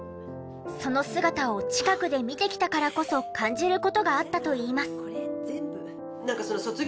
その姿を近くで見てきたからこそ感じる事があったといいます。